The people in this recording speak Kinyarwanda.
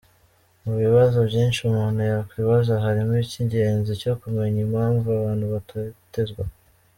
Mu bibazo byinshi umuntu yakwibaza harimo icy’ingenzi cyo kumenya impamvu abantu batotezwa.